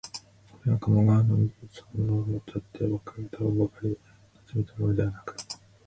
これは鴨川の美そのものをうたった歌ばかりを集めたものではなく、